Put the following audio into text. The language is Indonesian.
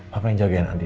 papa yang jagain andin